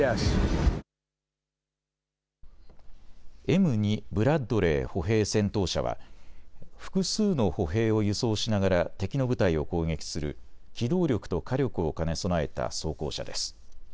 Ｍ２ブラッドレー歩兵戦闘車は複数の歩兵を輸送しながら敵の部隊を攻撃する機動力と火力を兼ね備えた装甲車です。